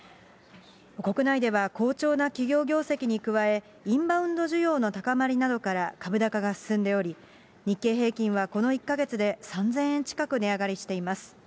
国内では好調な企業業績に加え、インバウンド需要の高まりなどから株高が進んでおり、日経平均はこの１か月で３０００円近く値上がりしています。